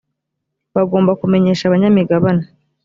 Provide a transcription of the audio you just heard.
bagomba kumenyesha abanyamigabane